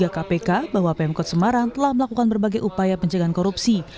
kpk bahwa pmk semarang telah melakukan berbagai upaya penjagaan korupsi